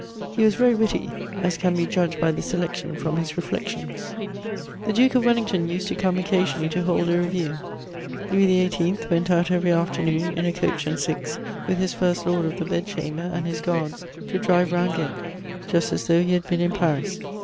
He was very witty, as can be judged by the selection from his Reflexions. The Duke of Wellington used to come occasionally to hold a review. Louis XVIII. went out every afternoon in a coach and six, with his First Lord of the Bed chamber and his guards, to drive round Ghent, just as though he had been in Paris.